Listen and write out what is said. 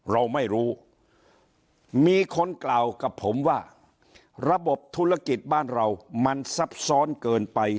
เราไม่รู้มีคนกล่าวกับผมว่าระบบธุรกิจบ้านเรามันซับซ้อนเกินไป